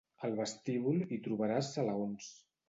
Al vestíbul hi trobaràs salaons.